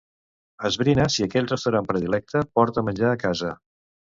Esbrina si aquell restaurant predilecte porta menjar a casa.